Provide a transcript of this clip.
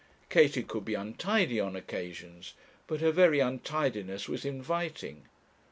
Katie could be untidy on occasions; but her very untidiness was inviting.